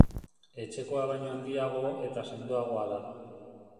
Etxekoa baino handiago eta sendoagoa da.